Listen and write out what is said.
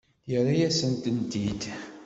Yerra-yasent-tent-id.